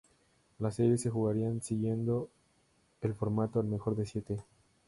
Las series se jugarían siguiendo el formato al mejor de siete.